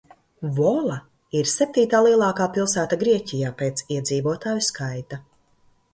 Vola ir septītā lielākā pilsēta Grieķijā pēc iedzīvotāju skaita.